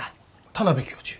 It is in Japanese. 田邊教授？